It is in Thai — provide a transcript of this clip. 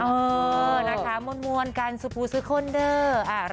เออนะคะมวลกันสุฟุสุขนเดอร์